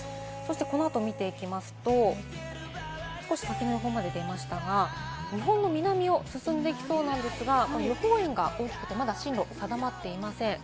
この後、見ていきますと、少し先の予報も出ましたが、日本の南を進んでいきそうなんですが、予報円が大きくて、まだ進路が定まっていません。